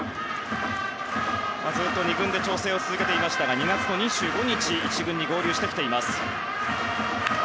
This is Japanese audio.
ずっと２軍で調整を続けていましたが２月の２５日１軍に合流しています。